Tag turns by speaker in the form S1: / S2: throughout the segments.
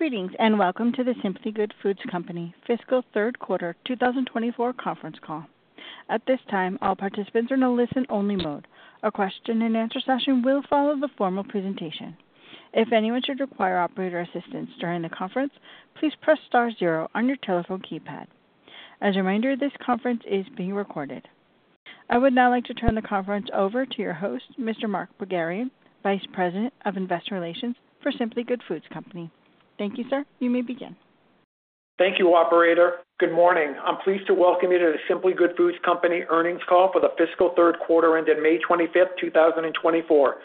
S1: Greetings, and welcome to The Simply Good Foods Company fiscal third quarter 2024 conference call. At this time, all participants are in a listen-only mode. A question and answer session will follow the formal presentation. If anyone should require operator assistance during the conference, please press star zero on your telephone keypad. As a reminder, this conference is being recorded. I would now like to turn the conference over to your host, Mr. Mark Pogharian, Vice President of Investor Relations for The Simply Good Foods Company. Thank you, sir. You may begin.
S2: Thank you, operator. Good morning. I'm pleased to welcome you to The Simply Good Foods Company earnings call for the fiscal third quarter ended May 25TH, 2024.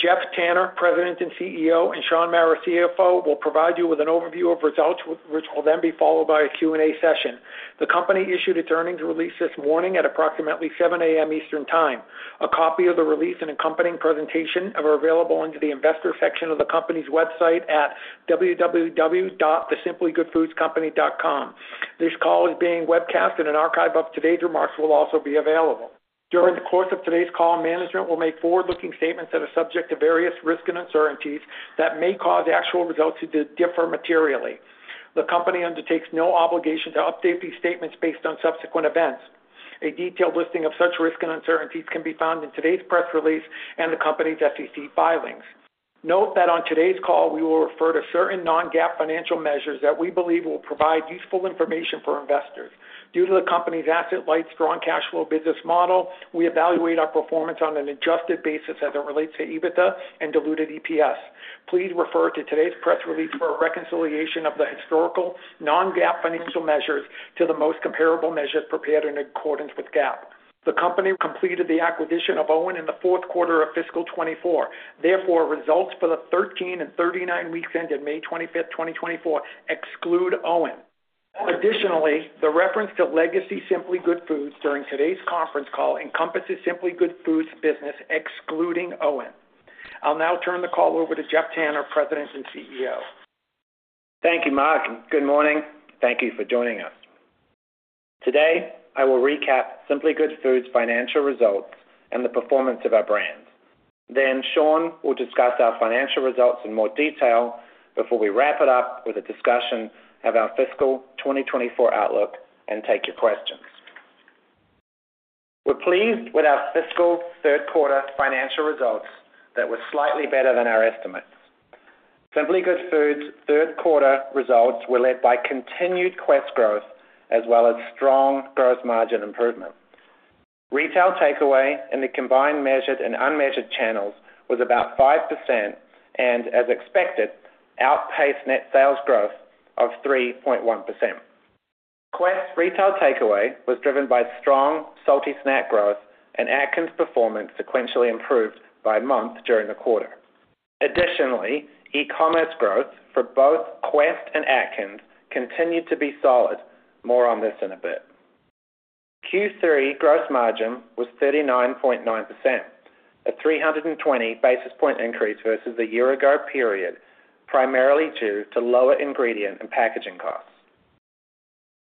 S2: Geoff Tanner, President and CEO, and Shaun Mara, CFO, will provide you with an overview of results, which will then be followed by a Q&A session. The company issued its earnings release this morning at approximately 7 A.M. Eastern Time. A copy of the release and accompanying presentation are available under the investor section of the company's website at www.thesimplygoodfoodscompany.com. This call is being webcast, and an archive of today's remarks will also be available. During the course of today's call, management will make forward-looking statements that are subject to various risks and uncertainties that may cause actual results to differ materially. The company undertakes no obligation to update these statements based on subsequent events. A detailed listing of such risks and uncertainties can be found in today's press release and the company's SEC filings. Note that on today's call, we will refer to certain non-GAAP financial measures that we believe will provide useful information for investors. Due to the company's asset-light, strong cash flow business model, we evaluate our performance on an adjusted basis as it relates to EBITDA and diluted EPS. Please refer to today's press release for a reconciliation of the historical non-GAAP financial measures to the most comparable measures prepared in accordance with GAAP. The company completed the acquisition of OWYN in the fourth quarter of fiscal 2024. Therefore, results for the 13 and 39 weeks ended May 25, 2024 exclude OWYN. Additionally, the reference to legacy Simply Good Foods during today's conference call encompasses Simply Good Foods business, excluding OWYN. I'll now turn the call over to Geoff Tanner, President and CEO.
S3: Thank you, Mark, and good morning. Thank you for joining us. Today, I will recap Simply Good Foods' financial results and the performance of our brands. Then Shaun will discuss our financial results in more detail before we wrap it up with a discussion of our fiscal 2024 outlook and take your questions. We're pleased with our fiscal third quarter financial results that were slightly better than our estimates. Simply Good Foods' third quarter results were led by continued Quest growth as well as strong gross margin improvement. Retail takeaway in the combined measured and unmeasured channels was about 5%, and, as expected, outpaced net sales growth of 3.1%. Quest retail takeaway was driven by strong salty snack growth, and Atkins' performance sequentially improved by month during the quarter. Additionally, e-commerce growth for both Quest and Atkins continued to be solid. More on this in a bit. Q3 gross margin was 39.9%, a 320 basis point increase versus the year ago period, primarily due to lower ingredient and packaging costs.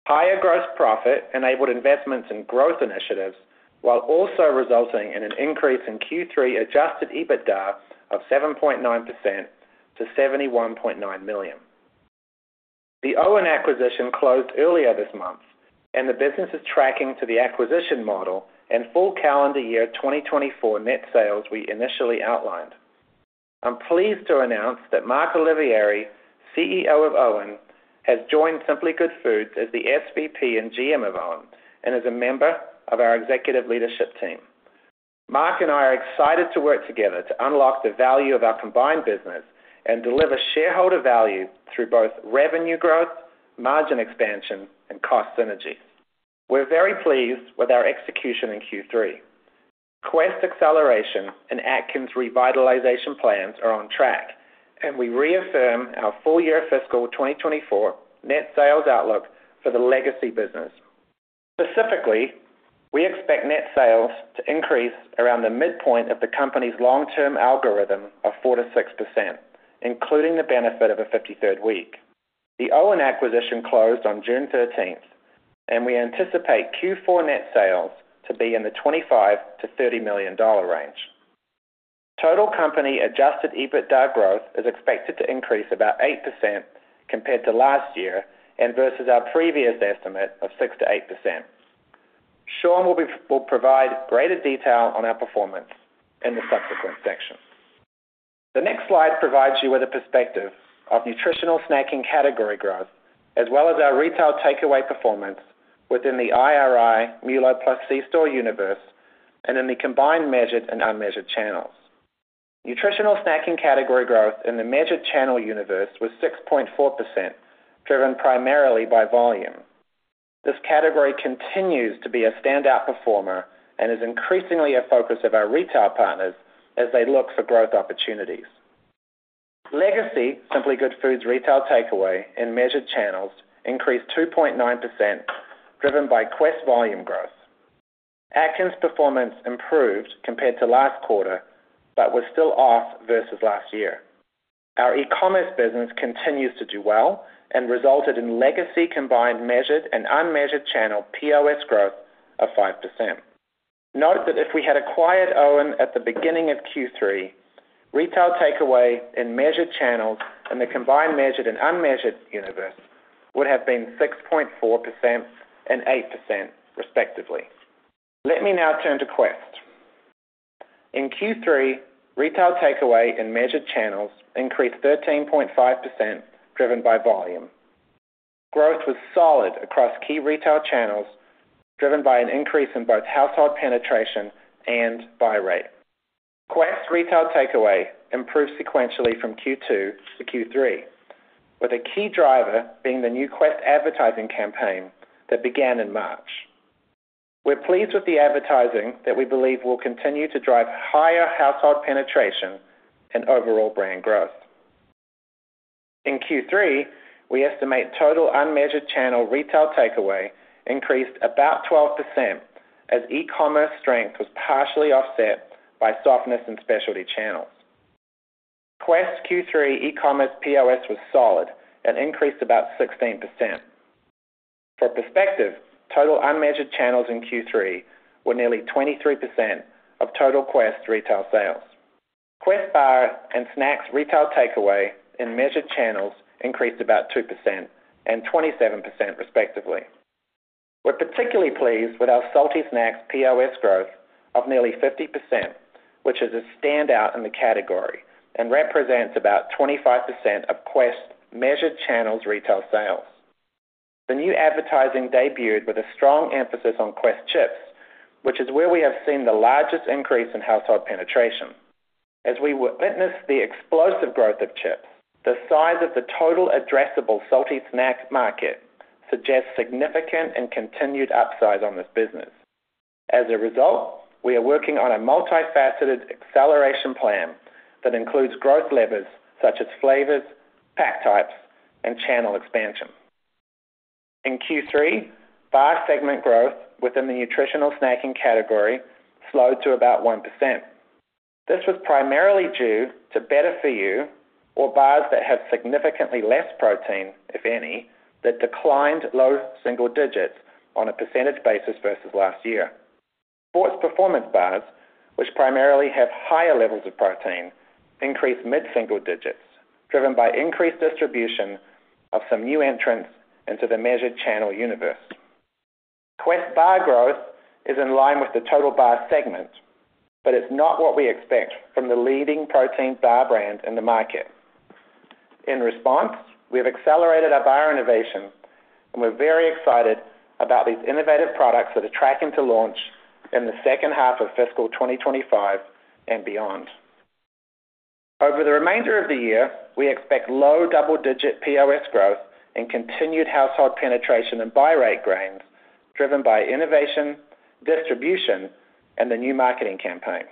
S3: Higher gross profit enabled investments in growth initiatives, while also resulting in an increase in Q3 Adjusted EBITDA of 7.9% to $71.9 million. The OWYN acquisition closed earlier this month, and the business is tracking to the acquisition model and full calendar year 2024 net sales we initially outlined. I'm pleased to announce that Mark Olivieri, CEO of OWYN, has joined Simply Good Foods as the SVP and GM of OWYN and is a member of our executive leadership team. Mark and I are excited to work together to unlock the value of our combined business and deliver shareholder value through both revenue growth, margin expansion, and cost synergy. We're very pleased with our execution in Q3. Quest acceleration and Atkins revitalization plans are on track, and we reaffirm our full-year fiscal 2024 net sales outlook for the legacy business. Specifically, we expect net sales to increase around the midpoint of the company's long-term algorithm of 4%-6%, including the benefit of a 53rd week. The OWYN acquisition closed on June 13, and we anticipate Q4 net sales to be in the $25 million-$30 million range. Total company Adjusted EBITDA growth is expected to increase about 8% compared to last year and versus our previous estimate of 6%-8%. Shaun will provide greater detail on our performance in the subsequent section. The next slide provides you with a perspective of nutritional snacking category growth, as well as our retail takeaway performance within the IRI MULO+ C-store universe and in the combined measured and unmeasured channels. Nutritional snacking category growth in the measured channel universe was 6.4%, driven primarily by volume. This category continues to be a standout performer and is increasingly a focus of our retail partners as they look for growth opportunities. Legacy Simply Good Foods' retail takeaway in measured channels increased 2.9%, driven by Quest volume growth. Atkins' performance improved compared to last quarter but was still off versus last year. Our e-commerce business continues to do well and resulted in legacy combined measured and unmeasured channel POS growth of 5%. Note that if we had acquired OWYN at the beginning of Q3, retail takeaway in measured channels and the combined measured and unmeasured universe would have been 6.4% and 8%, respectively. Let me now turn to Quest. In Q3, retail takeaway in measured channels increased 13.5%, driven by volume. Growth was solid across key retail channels, driven by an increase in both household penetration and buy rate. Quest retail takeaway improved sequentially from Q2 to Q3, with a key driver being the new Quest advertising campaign that began in March. We're pleased with the advertising that we believe will continue to drive higher household penetration and overall brand growth. In Q3, we estimate total unmeasured channel retail takeaway increased about 12%, as e-commerce strength was partially offset by softness in specialty channels. Quest Q3 e-commerce POS was solid and increased about 16%. For perspective, total unmeasured channels in Q3 were nearly 23% of total Quest retail sales. Quest bar and snacks retail takeaway in measured channels increased about 2% and 27%, respectively. We're particularly pleased with our salty snacks POS growth of nearly 50%, which is a standout in the category and represents about 25% of Quest's measured channels retail sales. The new advertising debuted with a strong emphasis on Quest chips, which is where we have seen the largest increase in household penetration. As we witness the explosive growth of chips, the size of the total addressable salty snacks market suggests significant and continued upsize on this business. As a result, we are working on a multifaceted acceleration plan that includes growth levers such as flavors, pack types, and channel expansion. In Q3, bar segment growth within the nutritional snacking category slowed to about 1%. This was primarily due to better-for-you or bars that have significantly less protein, if any, that declined low single digits on a percentage basis versus last year. Sports performance bars, which primarily have higher levels of protein, increased mid-single digits, driven by increased distribution of some new entrants into the measured channel universe. Quest bar growth is in line with the total bar segment, but it's not what we expect from the leading protein bar brand in the market. In response, we have accelerated our bar innovation, and we're very excited about these innovative products that are tracking to launch in the second half of fiscal 2025 and beyond. Over the remainder of the year, we expect low double-digit POS growth and continued household penetration and buy rate gains, driven by innovation, distribution, and the new marketing campaign.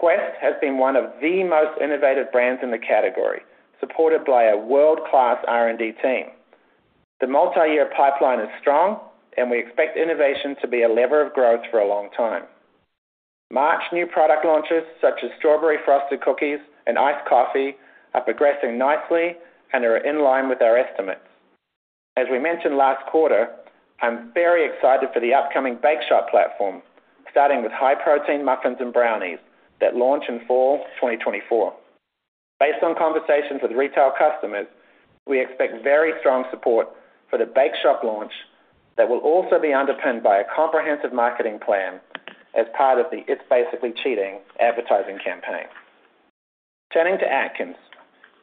S3: Quest has been one of the most innovative brands in the category, supported by a world-class R&D team. The multiyear pipeline is strong, and we expect innovation to be a lever of growth for a long time. March new product launches, such as strawberry frosted cookies and iced coffee, are progressing nicely and are in line with our estimates. As we mentioned last quarter, I'm very excited for the upcoming Bake Shop platform, starting with high-protein muffins and brownies that launch in fall 2024. Based on conversations with retail customers, we expect very strong support for the Bake Shop launch that will also be underpinned by a comprehensive marketing plan as part of the It's Basically Cheating advertising campaign. Turning to Atkins.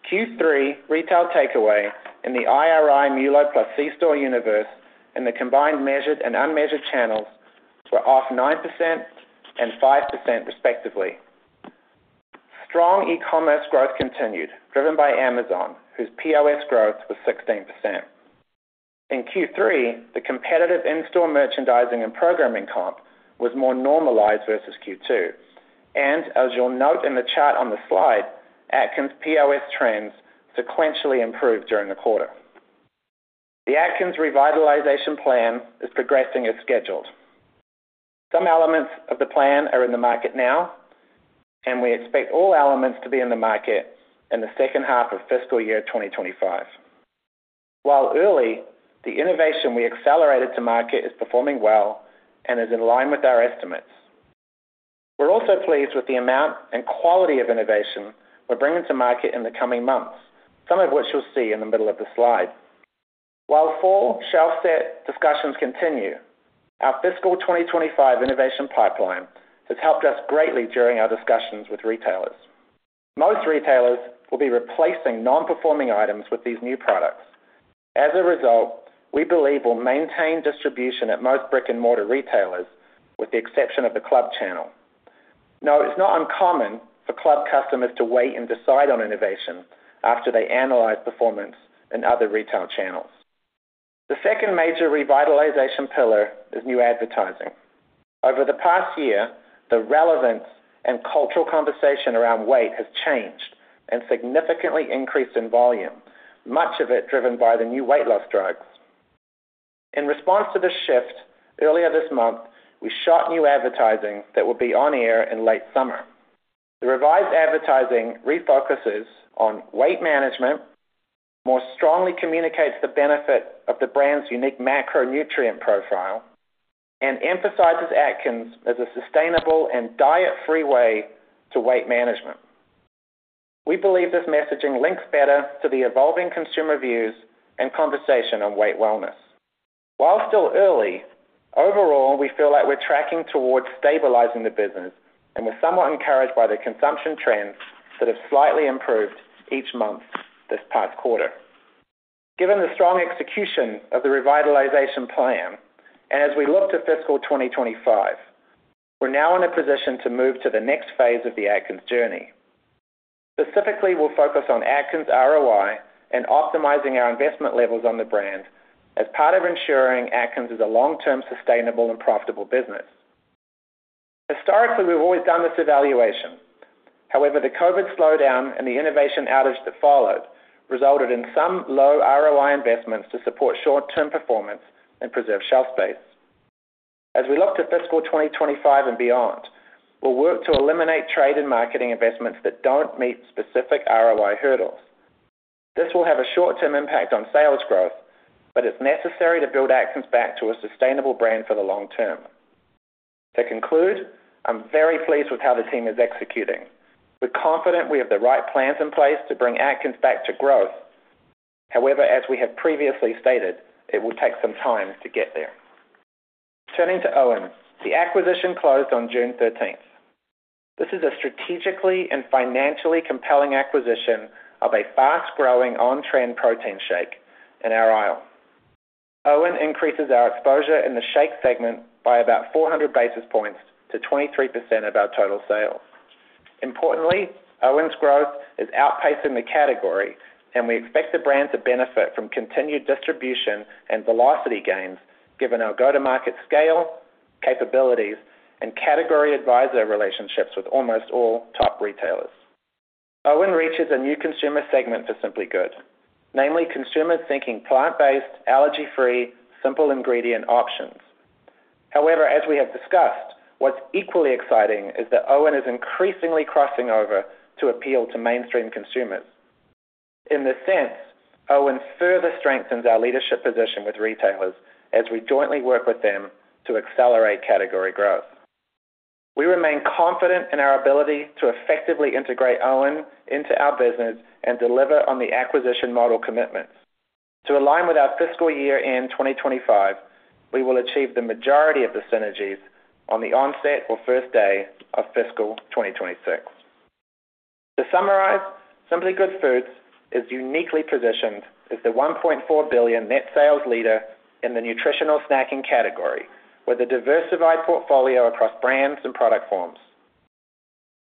S3: Q3 retail takeaway in the IRI MULO+ C-store universe, and the combined measured and unmeasured channels were off 9% and 5%, respectively. Strong e-commerce growth continued, driven by Amazon, whose POS growth was 16%. In Q3, the competitive in-store merchandising and programming comp was more normalized versus Q2, and as you'll note in the chart on the slide, Atkins' POS trends sequentially improved during the quarter. The Atkins revitalization plan is progressing as scheduled. Some elements of the plan are in the market now, and we expect all elements to be in the market in the second half of fiscal year 2025. While early, the innovation we accelerated to market is performing well and is in line with our estimates. We're also pleased with the amount and quality of innovation we're bringing to market in the coming months, some of which you'll see in the middle of the slide. While fall shelf set discussions continue, our fiscal 2025 innovation pipeline has helped us greatly during our discussions with retailers. Most retailers will be replacing non-performing items with these new products. As a result, we believe we'll maintain distribution at most brick-and-mortar retailers, with the exception of the club channel. Now, it's not uncommon for club customers to wait and decide on innovation after they analyze performance in other retail channels. The second major revitalization pillar is new advertising. Over the past year, the relevance and cultural conversation around weight has changed and significantly increased in volume, much of it driven by the new weight loss drugs. In response to this shift, earlier this month, we shot new advertising that will be on air in late summer. The revised advertising refocuses on weight management and more strongly communicates the benefit of the brand's unique macronutrient profile and emphasizes Atkins as a sustainable and diet-free way to weight management. We believe this messaging links better to the evolving consumer views and conversation on weight wellness. While still early, overall, we feel like we're tracking towards stabilizing the business, and we're somewhat encouraged by the consumption trends that have slightly improved each month this past quarter. Given the strong execution of the revitalization plan, and as we look to fiscal 2025, we're now in a position to move to the next phase of the Atkins journey. Specifically, we'll focus on Atkins ROI and optimizing our investment levels on the brand as part of ensuring Atkins is a long-term, sustainable, and profitable business. Historically, we've always done this evaluation. However, the COVID slowdown and the innovation outage that followed resulted in some low ROI investments to support short-term performance and preserve shelf space. As we look to fiscal 2025 and beyond, we'll work to eliminate trade and marketing investments that don't meet specific ROI hurdles. This will have a short-term impact on sales growth, but it's necessary to build Atkins back to a sustainable brand for the long term. To conclude, I'm very pleased with how the team is executing. We're confident we have the right plans in place to bring Atkins back to growth. However, as we have previously stated, it will take some time to get there. Turning to OWYN, the acquisition closed on June 13. This is a strategically and financially compelling acquisition of a fast-growing, on-trend protein shake in our aisle. OWYN increases our exposure in the shake segment by about 400 basis points to 23% of our total sales. Importantly, OWYN's growth is outpacing the category, and we expect the brand to benefit from continued distribution and velocity gains, given our go-to-market scale, capabilities, and category advisor relationships with almost all top retailers. OWYN reaches a new consumer segment for Simply Good, namely, consumers seeking plant-based, allergy-free, simple ingredient options. However, as we have discussed, what's equally exciting is that OWYN is increasingly crossing over to appeal to mainstream consumers. In this sense, OWYN further strengthens our leadership position with retailers as we jointly work with them to accelerate category growth. We remain confident in our ability to effectively integrate OWYN into our business and deliver on the acquisition model commitments. To align with our fiscal year-end, 2025, we will achieve the majority of the synergies on the onset or first day of fiscal 2026. To summarize, Simply Good Foods is uniquely positioned as the $1.4 billion net sales leader in the nutritional snacking category, with a diversified portfolio across brands and product forms.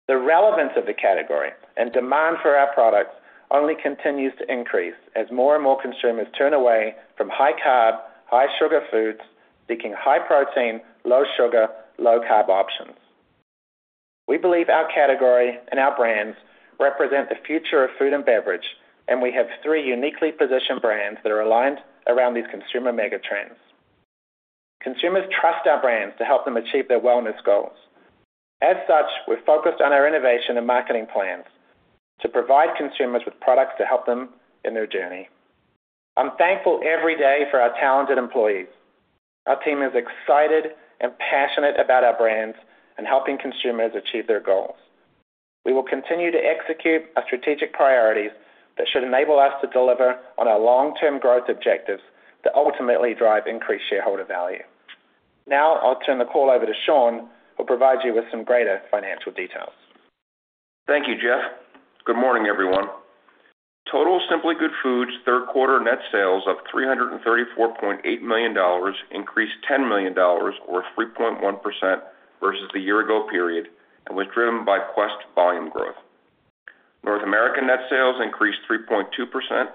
S3: The relevance of the category and demand for our products only continues to increase as more and more consumers turn away from high-carb, high-sugar foods, seeking high-protein, low-sugar, low-carb options. We believe our category and our brands represent the future of food and beverage, and we have three uniquely positioned brands that are aligned around these consumer megatrends. Consumers trust our brands to help them achieve their wellness goals. As such, we're focused on our innovation and marketing plans to provide consumers with products to help them in their journey. I'm thankful every day for our talented employees. Our team is excited and passionate about our brands and helping consumers achieve their goals. We will continue to execute our strategic priorities that should enable us to deliver on our long-term growth objectives that ultimately drive increased shareholder value. Now, I'll turn the call over to Shaun, who'll provide you with some greater financial details.
S4: Thank you, Geoff. Good morning, everyone. The Simply Good Foods' third quarter net sales of $334.8 million increased $10 million, or 3.1%, versus the year ago period, and was driven by Quest volume growth. North American net sales increased 3.2%,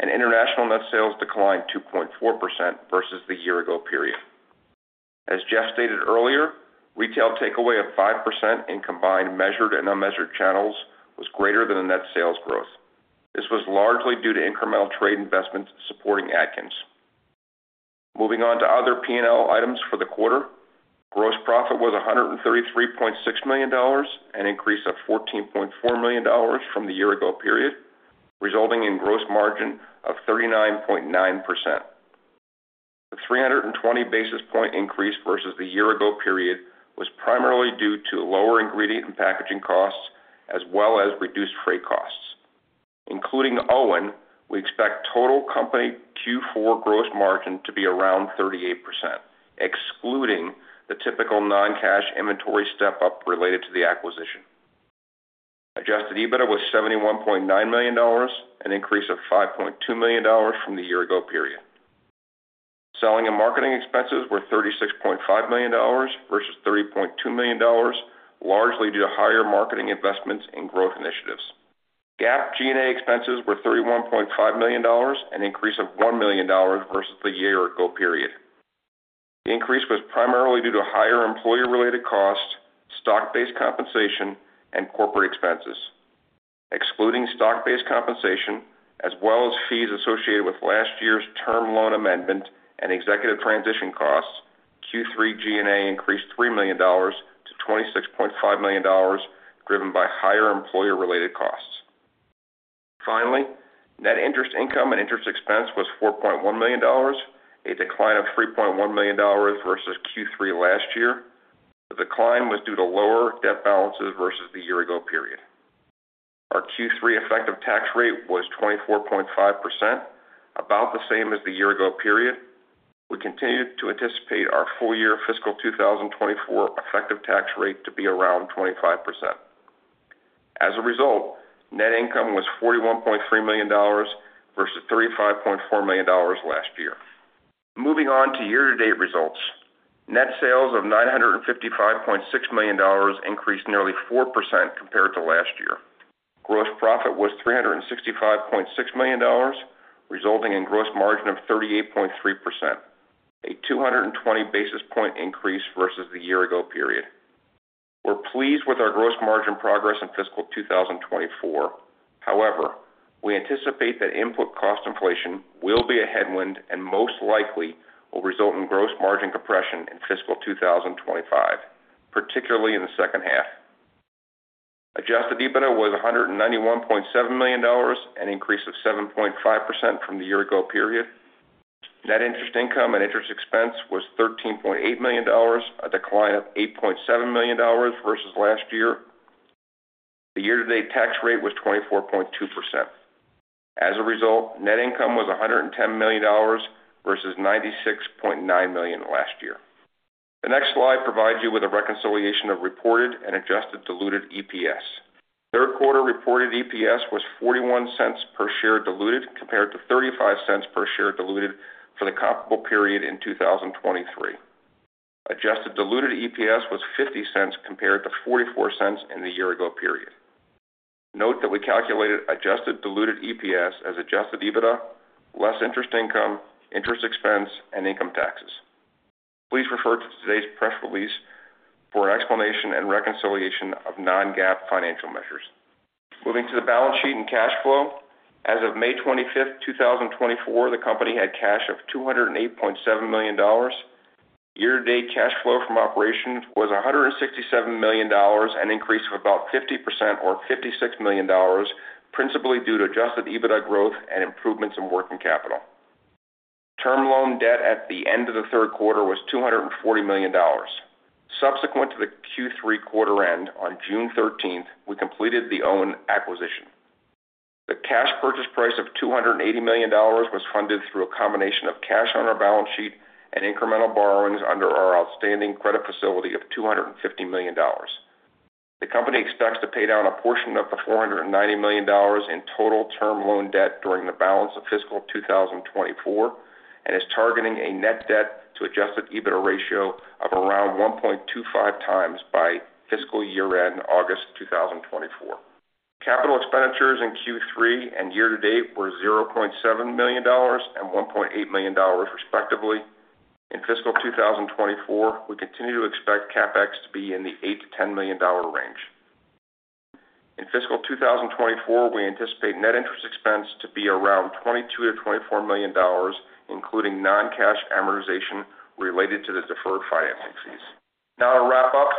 S4: and international net sales declined 2.4% versus the year ago period. As Geoff stated earlier, retail takeaway of 5% in combined, measured and unmeasured channels was greater than the net sales growth. This was largely due to incremental trade investments supporting Atkins. Moving on to other P&L items for the quarter, gross profit was $133.6 million, an increase of $14.4 million from the year ago period, resulting in gross margin of 39.9%. The 320 basis points increase versus the year ago period was primarily due to lower ingredient and packaging costs, as well as reduced freight costs. Including OWYN, we expect total Company Q4 gross margin to be around 38%, excluding the typical non-cash inventory step-up related to the acquisition. Adjusted EBITDA was $71.9 million, an increase of $5.2 million from the year ago period. Selling and marketing expenses were $36.5 million versus $30.2 million, largely due to higher marketing investments and growth initiatives. GAAP G&A expenses were $31.5 million, an increase of $1 million versus the year ago period. The increase was primarily due to higher employee-related costs, stock-based compensation, and corporate expenses. Excluding stock-based compensation, as well as fees associated with last year's term loan amendment and executive transition costs,... Q3 G&A increased $3 million-$26.5 million, driven by higher employer-related costs. Finally, net interest income and interest expense was $4.1 million, a decline of $3.1 million versus Q3 last year. The decline was due to lower debt balances versus the year ago period. Our Q3 effective tax rate was 24.5%, about the same as the year ago period. We continued to anticipate our full year fiscal 2024 effective tax rate to be around 25%. As a result, net income was $41.3 million versus $35.4 million last year. Moving on to year-to-date results. Net sales of $955.6 million increased nearly 4% compared to last year. Gross profit was $365.6 million, resulting in gross margin of 38.3%, a 220 basis point increase versus the year ago period. We're pleased with our gross margin progress in fiscal 2024. However, we anticipate that input cost inflation will be a headwind and most likely will result in gross margin compression in fiscal 2025, particularly in the second half. Adjusted EBITDA was $191.7 million, an increase of 7.5% from the year ago period. Net interest income and interest expense was $13.8 million, a decline of $8.7 million versus last year. The year-to-date tax rate was 24.2%. As a result, net income was $110 million versus $96.9 million last year. The next slide provides you with a reconciliation of reported and adjusted diluted EPS. Third quarter reported EPS was $0.41 per share diluted, compared to $0.35 per share diluted for the comparable period in 2023. Adjusted diluted EPS was $0.50 compared to $0.44 in the year ago period. Note that we calculated adjusted diluted EPS as Adjusted EBITDA, less interest income, interest expense, and income taxes. Please refer to today's press release for an explanation and reconciliation of non-GAAP financial measures. Moving to the balance sheet and cash flow. As of May 25, 2024, the company had cash of $208.7 million. Year-to-date cash flow from operations was $167 million, an increase of about 50% or $56 million, principally due to Adjusted EBITDA growth and improvements in working capital. Term loan debt at the end of the third quarter was $240 million. Subsequent to the Q3 quarter end, on June thirteenth, we completed the OWYN acquisition. The cash purchase price of $280 million was funded through a combination of cash on our balance sheet and incremental borrowings under our outstanding credit facility of $250 million. The company expects to pay down a portion of the $490 million in total term loan debt during the balance of fiscal 2024, and is targeting a net debt to Adjusted EBITDA ratio of around 1.25 times by fiscal year-end, August 2024. Capital expenditures in Q3 and year to date were $0.7 million and $1.8 million, respectively. In fiscal 2024, we continue to expect CapEx to be in the $8 million-$10 million range. In fiscal 2024, we anticipate net interest expense to be around $22 million-$24 million, including non-cash amortization related to the deferred financing fees. Now to wrap up,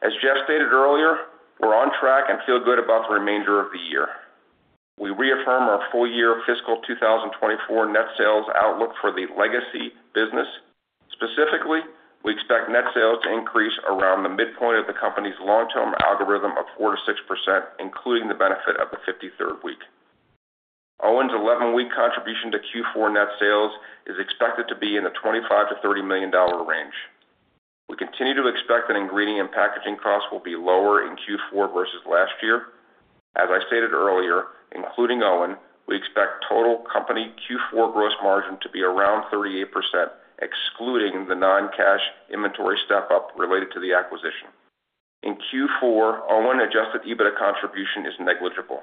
S4: as Geoff stated earlier, we're on track and feel good about the remainder of the year. We reaffirm our full year fiscal 2024 net sales outlook for the legacy business. Specifically, we expect net sales to increase around the midpoint of the company's long-term algorithm of 4%-6%, including the benefit of the 53rd week. OWYN's 11-week contribution to Q4 net sales is expected to be in the $25 million-$30 million range. We continue to expect that ingredient and packaging costs will be lower in Q4 versus last year. As I stated earlier, including OWYN, we expect total company Q4 gross margin to be around 38%, excluding the non-cash inventory step up related to the acquisition. In Q4, OWYN Adjusted EBITDA contribution is negligible.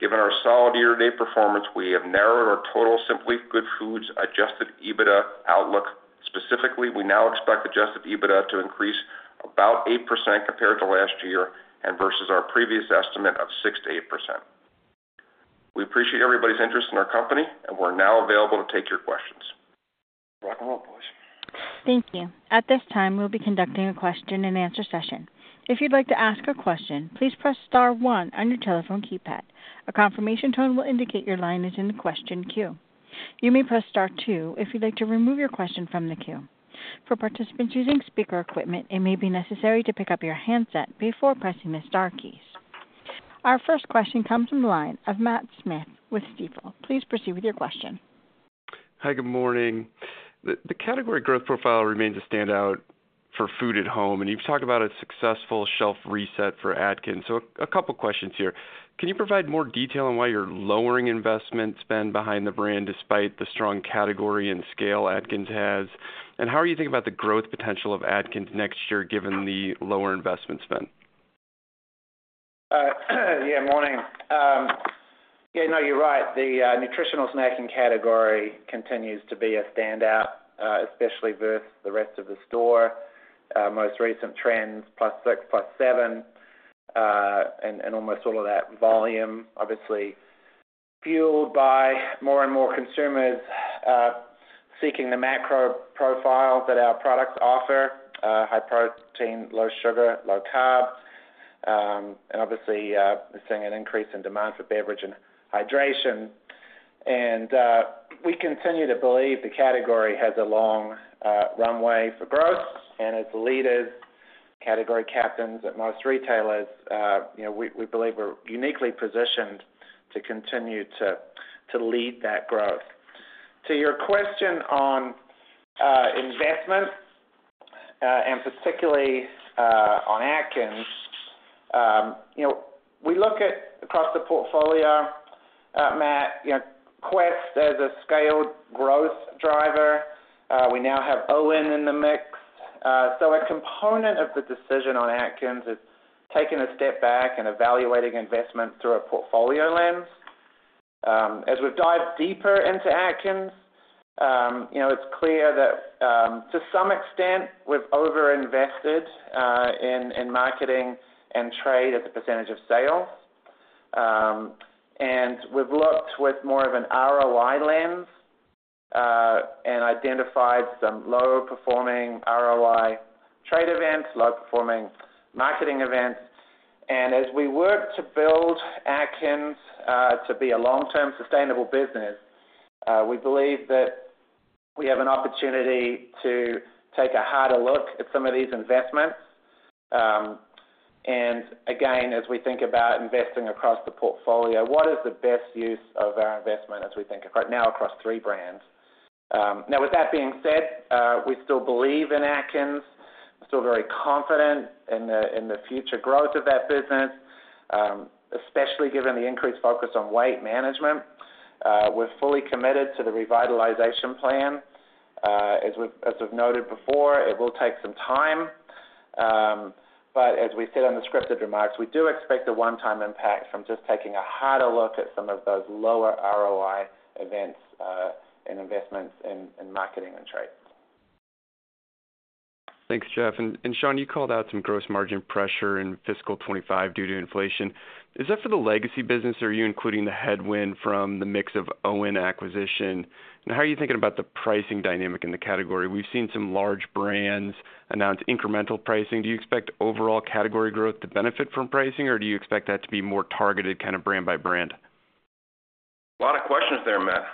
S4: Given our solid year-to-date performance, we have narrowed our total Simply Good Foods Adjusted EBITDA outlook. Specifically, we now expect adjusted EBITDA to increase about 8% compared to last year and versus our previous estimate of 6%-8%. We appreciate everybody's interest in our company, and we're now available to take your questions. Welcome aboard, please.
S1: Thank you. At this time, we'll be conducting a question-and-answer session. If you'd like to ask a question, please press star one on your telephone keypad. A confirmation tone will indicate your line is in the question queue. You may press star two if you'd like to remove your question from the queue. For participants using speaker equipment, it may be necessary to pick up your handset before pressing the star keys. Our first question comes from the line of Matt Smith with Stifel. Please proceed with your question.
S5: Hi, good morning. The category growth profile remains a standout for food at home, and you've talked about a successful shelf reset for Atkins. So a couple questions here: Can you provide more detail on why you're lowering investment spend behind the brand despite the strong category and scale Atkins has? And how are you thinking about the growth potential of Atkins next year, given the lower investment spend?
S3: Yeah, morning. Yeah, no, you're right. The nutritional snacking category continues to be a standout, especially versus the rest of the store. Most recent trends, +6, +7, and almost all of that volume, obviously fueled by more and more consumers seeking the macro profile that our products offer, high protein, low sugar, low carbs, and obviously, we're seeing an increase in demand for beverage and hydration. And we continue to believe the category has a long runway for growth. And as the leaders, category captains at most retailers, you know, we believe we're uniquely positioned to continue to lead that growth. To your question on investment, and particularly, on Atkins, you know, we look at across the portfolio, Matt, you know, Quest as a scaled growth driver. We now have OWYN in the mix. So a component of the decision on Atkins is taking a step back and evaluating investment through a portfolio lens. As we've dived deeper into Atkins, you know, it's clear that, to some extent, we've overinvested in marketing and trade as a percentage of sales. And we've looked with more of an ROI lens and identified some lower performing ROI trade events, low performing marketing events. And as we work to build Atkins to be a long-term sustainable business, we believe that we have an opportunity to take a harder look at some of these investments. And again, as we think about investing across the portfolio, what is the best use of our investment as we think of right now across three brands? Now with that being said, we still believe in Atkins, we're still very confident in the future growth of that business, especially given the increased focus on weight management. We're fully committed to the revitalization plan. As we've, as we've noted before, it will take some time. But as we said on the scripted remarks, we do expect a one-time impact from just taking a harder look at some of those lower ROI events, and investments in, in marketing and trade.
S5: Thanks, Geoff. And Shaun, you called out some gross margin pressure in fiscal 2025 due to inflation. Is that for the legacy business, or are you including the headwind from the mix of OWYN acquisition? And how are you thinking about the pricing dynamic in the category? We've seen some large brands announce incremental pricing. Do you expect overall category growth to benefit from pricing, or do you expect that to be more targeted kind of brand by brand?
S4: A lot of questions there, Matt.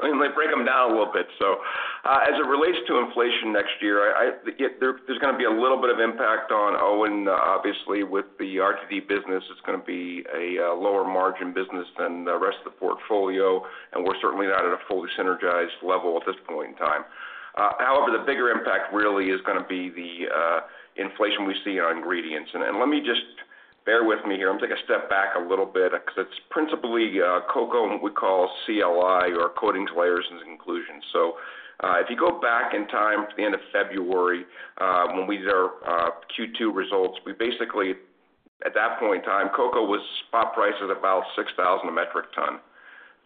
S4: Let me break them down a little bit. So, as it relates to inflation next year, yeah, there's gonna be a little bit of impact on OWYN. Obviously, with the RTD business, it's gonna be a lower margin business than the rest of the portfolio, and we're certainly not at a fully synergized level at this point in time. However, the bigger impact really is gonna be the inflation we see on ingredients. And, let me just bear with me here. I'm gonna take a step back a little bit because it's principally cocoa, and what we call CLI, or coatings, layers, and inclusions. So, if you go back in time to the end of February, when we did our Q2 results, we basically, at that point in time, cocoa was spot price at about $6,000 a metric ton.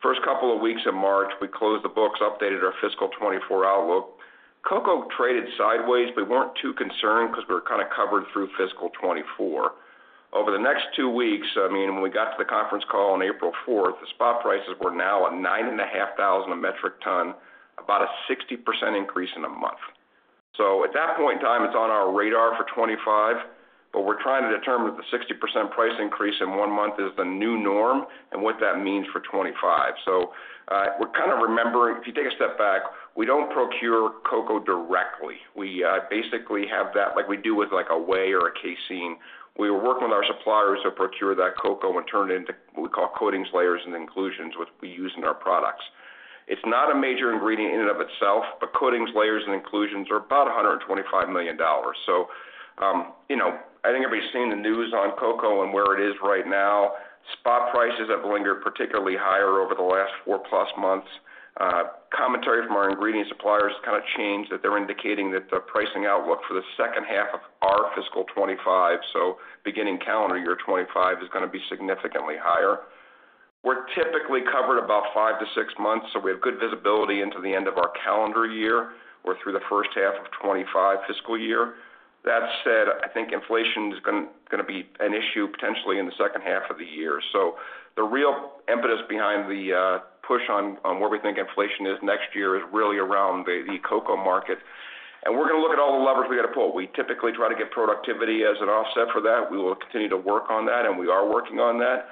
S4: First couple of weeks of March, we closed the books, updated our fiscal 2024 outlook. Cocoa traded sideways, but we weren't too concerned because we were kind of covered through fiscal 2024. Over the next two weeks, I mean, when we got to the conference call on April fourth, the spot prices were now at $9,500 a metric ton, about a 60% increase in a month. So at that point in time, it's on our radar for 2025, but we're trying to determine if the 60% price increase in one month is the new norm and what that means for 2025. So, we're kind of remembering, if you take a step back, we don't procure cocoa directly. We, basically have that like we do with like a whey or a casein. We work with our suppliers to procure that cocoa and turn it into what we call coatings, layers, and inclusions, which we use in our products. It's not a major ingredient in and of itself, but coatings, layers, and inclusions are about $125 million. So, you know, I think everybody's seen the news on cocoa and where it is right now. Spot prices have lingered particularly higher over the last 4+ months. Commentary from our ingredient suppliers kind of changed, that they're indicating that the pricing outlook for the second half of our fiscal 2025, so beginning calendar year 2025, is gonna be significantly higher. We're typically covered about five to six months, so we have good visibility into the end of our calendar year or through the first half of 25 fiscal year. That said, I think inflation is gonna be an issue potentially in the second half of the year. So the real impetus behind the push on where we think inflation is next year is really around the cocoa market. And we're gonna look at all the levers we got to pull. We typically try to get productivity as an offset for that. We will continue to work on that, and we are working on that.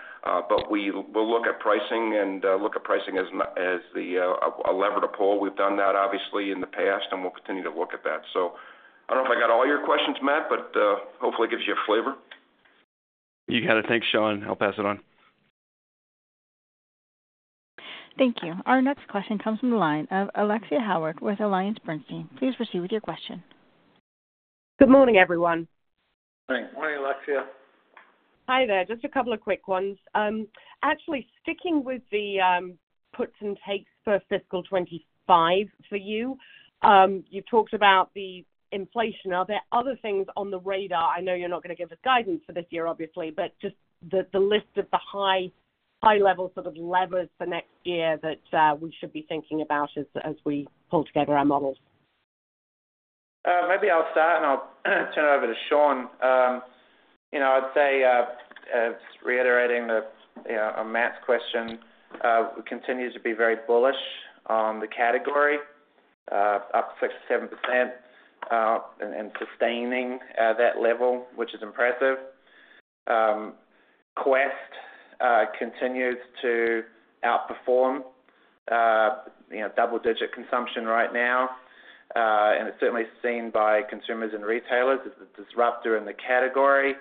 S4: But we will look at pricing and look at pricing as a lever to pull. We've done that obviously in the past, and we'll continue to look at that. So I don't know if I got all your questions, Matt, but hopefully it gives you a flavor.
S5: You got it. Thanks, Shaun. I'll pass it on.
S1: Thank you. Our next question comes from the line of Alexia Howard with AllianceBernstein. Please proceed with your question.
S6: Good morning, everyone.
S4: Hi.
S3: Morning, Alexia.
S6: Hi there. Just a couple of quick ones. Actually, sticking with the puts and takes for fiscal 2025 for you, you talked about the inflation. Are there other things on the radar? I know you're not gonna give us guidance for this year, obviously, but just the list of the high, high level sort of levers for next year that we should be thinking about as we pull together our models.
S3: Maybe I'll start, and I'll turn it over to Shaun. You know, I'd say, reiterating, you know, Matt's question, we continue to be very bullish on the category, up 6%-7%, and sustaining that level, which is impressive. Quest continues to outperform, you know, double-digit consumption right now, and it's certainly seen by consumers and retailers as the disruptor in the category.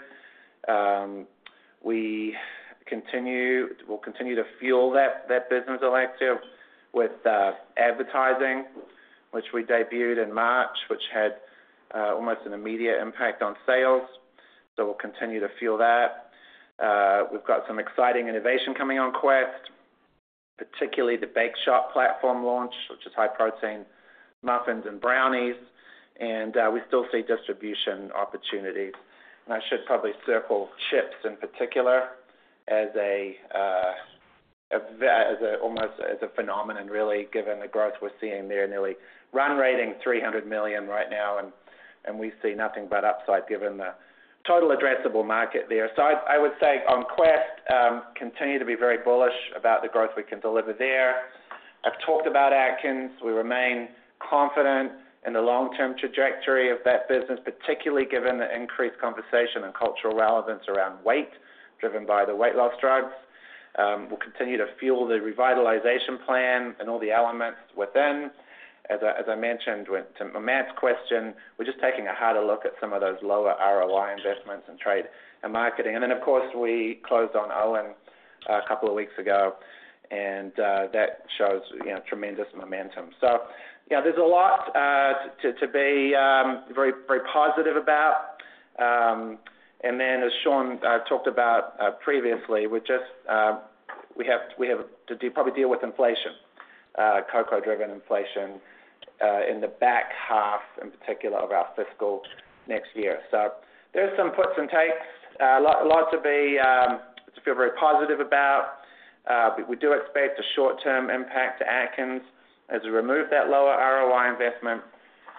S3: We continue—we'll continue to fuel that business selectively with advertising, which we debuted in March, which had almost an immediate impact on sales. So we'll continue to fuel that. We've got some exciting innovation coming on Quest, particularly the Bake Shop platform launch, which is high-protein muffins and brownies, and we still see distribution opportunities. And I should probably circle chips in particular as a almost as a phenomenon, really, given the growth we're seeing there, nearly run-rate $300 million right now, and we see nothing but upside, given the total addressable market there. So I would say on Quest, continue to be very bullish about the growth we can deliver there. I've talked about Atkins. We remain confident in the long-term trajectory of that business, particularly given the increased conversation and cultural relevance around weight, driven by the weight loss drugs. We'll continue to fuel the revitalization plan and all the elements within. As I mentioned to Matt's question, we're just taking a harder look at some of those lower ROI investments in trade and marketing. And then, of course, we closed on OWYN a couple of weeks ago, and, that shows, you know, tremendous momentum. So yeah, there's a lot to be very, very positive about. And then, as Shaun talked about previously, we're just, we have to probably deal with inflation, cocoa-driven inflation, in the back half, in particular, of our fiscal next year. So there's some puts and takes. A lot to be to feel very positive about, but we do expect a short-term impact to Atkins as we remove that lower ROI investment.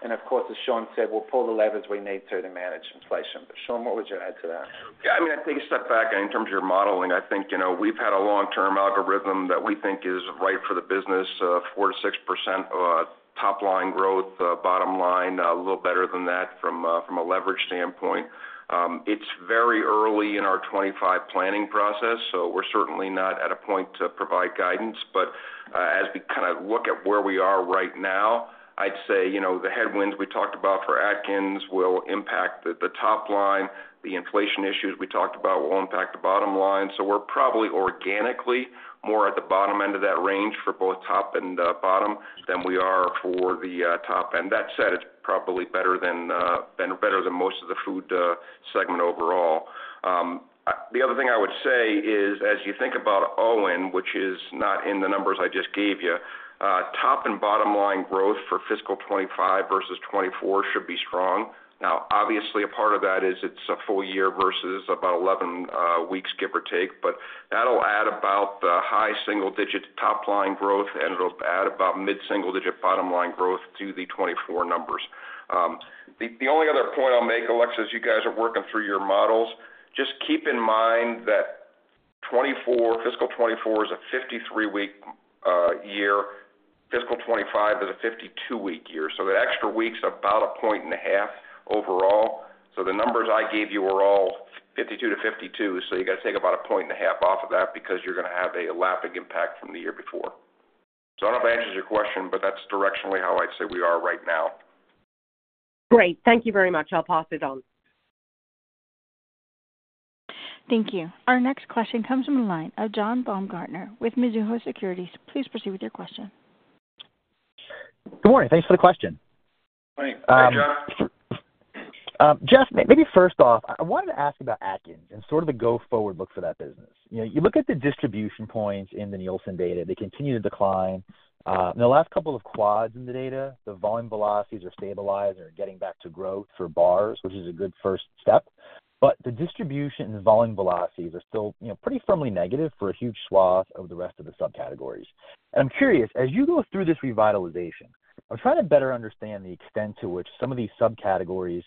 S3: And of course, as Shaun said, we'll pull the levers we need to manage inflation. But, Shaun, what would you add to that?
S4: Yeah, I mean, I think a step back in terms of your modeling, I think, you know, we've had a long-term algorithm that we think is right for the business, four to six percent top line growth, bottom line a little better than that from a leverage standpoint. It's very early in our 25 planning process, so we're certainly not at a point to provide guidance. But as we kind of look at where we are right now, I'd say, you know, the headwinds we talked about for Atkins will impact the top line. The inflation issues we talked about will impact the bottom line. So we're probably organically more at the bottom end of that range for both top and bottom than we are for the top. And that said, it's probably better than better than most of the food segment overall. The other thing I would say is, as you think about OWYN, which is not in the numbers I just gave you, top and bottom line growth for fiscal 2025 versus 2024 should be strong. Now, obviously, a part of that is it's a full year versus about 11 weeks, give or take, but that'll add about the high single digits top line growth, and it'll add about mid-single digit bottom line growth to the 2024 numbers. The only other point I'll make, Alexia, as you guys are working through your models, just keep in mind that 2024, fiscal 2024 is a 53-week year. Fiscal 2025 is a 52-week year, so the extra week's about 1.5 overall. So the numbers I gave you were all 52-52, so you got to take about 1.5 off of that because you're gonna have a lapping impact from the year before. So I don't know if I answered your question, but that's directionally how I'd say we are right now.
S6: Great. Thank you very much. I'll pass it on.
S1: Thank you. Our next question comes from the line of John Baumgartner with Mizuho Securities. Please proceed with your question.
S7: Good morning. Thanks for the question.
S3: Good morning.
S4: Hi, John.
S7: Geoff, maybe first off, I wanted to ask about Atkins and sort of the go-forward look for that business. You know, you look at the distribution points in the Nielsen data, they continue to decline. In the last couple of quarters in the data, the volume velocities are stabilized and are getting back to growth for bars, which is a good first step, but the distribution and volume velocities are still, you know, pretty firmly negative for a huge swath of the rest of the subcategories. I'm curious, as you go through this revitalization, I'm trying to better understand the extent to which some of these subcategories,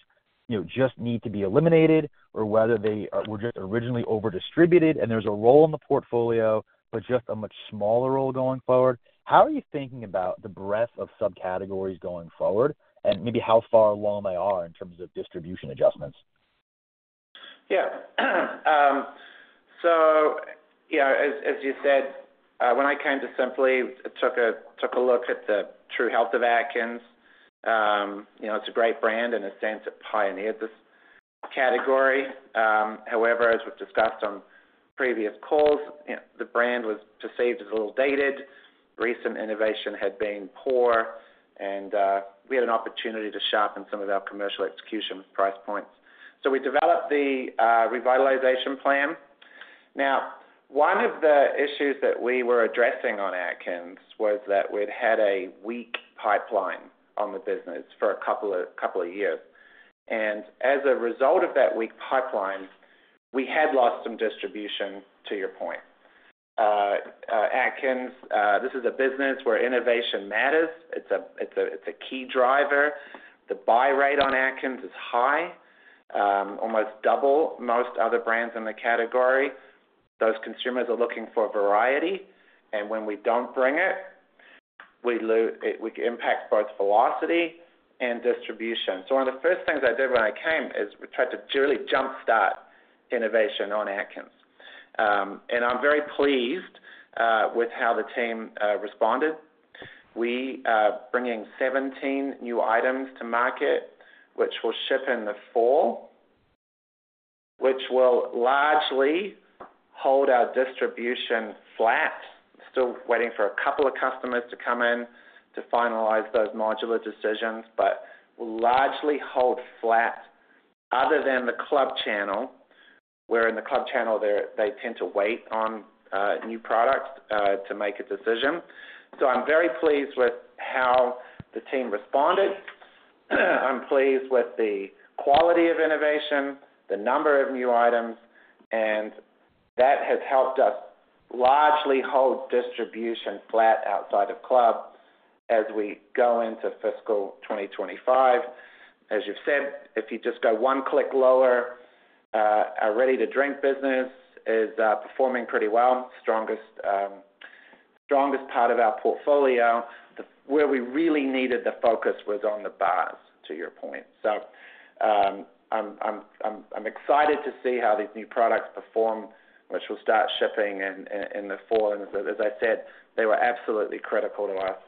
S7: you know, just need to be eliminated or whether they were just originally over-distributed and there's a role in the portfolio, but just a much smaller role going forward. How are you thinking about the breadth of subcategories going forward and maybe how far along they are in terms of distribution adjustments?
S3: Yeah. So, you know, as you said, when I came to Simply, I took a look at the true health of Atkins. You know, it's a great brand in a sense. It pioneered this category. However, as we've discussed on previous calls, you know, the brand was perceived as a little dated. Recent innovation had been poor, and we had an opportunity to sharpen some of our commercial execution with price points. So we developed the revitalization plan. Now, one of the issues that we were addressing on Atkins was that we'd had a weak pipeline on the business for a couple of years. As a result of that weak pipeline, we had lost some distribution, to your point. Atkins, this is a business where innovation matters. It's a key driver. The buy rate on Atkins is high, almost double most other brands in the category. Those consumers are looking for variety, and when we don't bring it, we lose it, we impact both velocity and distribution. So one of the first things I did when I came is we tried to really jumpstart innovation on Atkins. I'm very pleased with how the team responded. We are bringing 17 new items to market, which will ship in the fall, which will largely hold our distribution flat. Still waiting for a couple of customers to come in to finalize those modular decisions, but largely hold flat other than the club channel, where in the club channel, they tend to wait on new products to make a decision. So I'm very pleased with how the team responded. I'm pleased with the quality of innovation, the number of new items, and that has helped us largely hold distribution flat outside of club as we go into fiscal 2025. As you've said, if you just go one click lower, our ready-to-drink business is performing pretty well. Strongest part of our portfolio. The where we really needed the focus was on the bars, to your point. So, I'm excited to see how these new products perform, which will start shipping in the fall. And as I said, they were absolutely critical to us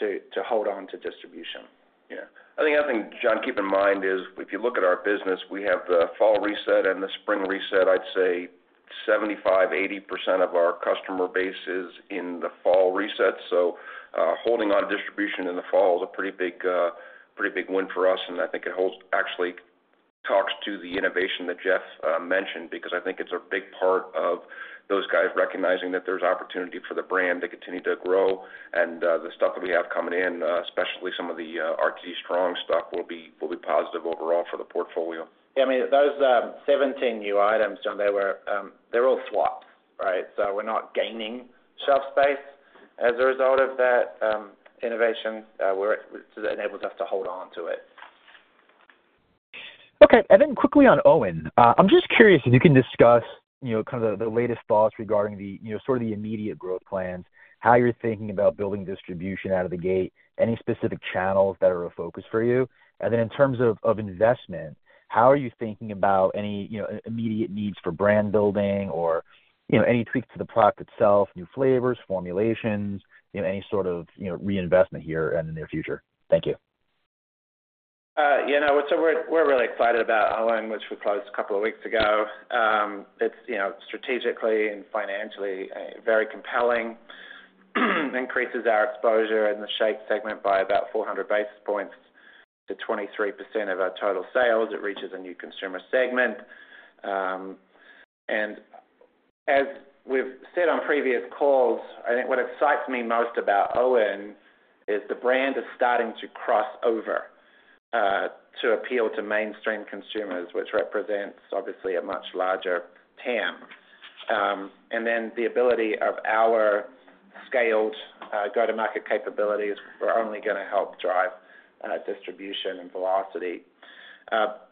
S3: to hold on to distribution.
S4: Yeah. I think another thing, John, keep in mind is, if you look at our business, we have the fall reset and the spring reset. I'd say 75%-80% of our customer base is in the fall reset. So, holding on to distribution in the fall is a pretty big win for us, and I think it holds, actually talks to the innovation that Geoff mentioned, because I think it's a big part of those guys recognizing that there's opportunity for the brand to continue to grow. And, the stuff that we have coming in, especially some of the RTD strong stuff, will be positive overall for the portfolio.
S3: Yeah, I mean, those 17 new items, John, they were, they're all swaps, right? So we're not gaining shelf space as a result of that innovation, so that enables us to hold on to it.
S7: Okay, and then quickly on OWYN. I'm just curious if you can discuss, you know, kind of the latest thoughts regarding the, you know, sort of the immediate growth plans, how you're thinking about building distribution out of the gate, any specific channels that are a focus for you? And then in terms of investment, how are you thinking about any immediate needs for brand building or, you know, any tweaks to the product itself, new flavors, formulations, you know, any sort of reinvestment here and in the near future? Thank you.
S3: Yeah, no, so we're really excited about OWYN, which we closed a couple of weeks ago. It's, you know, strategically and financially very compelling. Increases our exposure in the shake segment by about 400 basis points to 23% of our total sales. It reaches a new consumer segment. And as we've said on previous calls, I think what excites me most about OWYN is the brand is starting to cross over to appeal to mainstream consumers, which represents, obviously, a much larger TAM. And then the ability of our scaled go-to-market capabilities are only gonna help drive distribution and velocity.